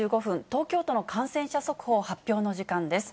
東京都の感染者速報発表の時間です。